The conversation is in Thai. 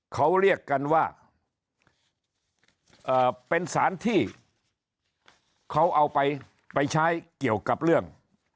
เขาเรียกกันว่าเป็นสารที่เขาเอาไปใช้เกี่ยวกับเรื่อง